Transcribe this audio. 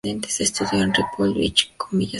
Estudió en Ripoll, Vich, Comillas y Barcelona.